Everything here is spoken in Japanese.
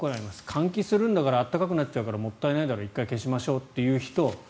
換気するんだから暖かくなっちゃうんだからもったいないだろう１回消しましょうという人。